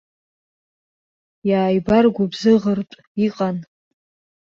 Иааибаргәыбзыӷыртә иҟан.